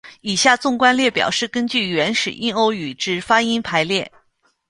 以下纵观列表是根据原始印欧语之发音排列。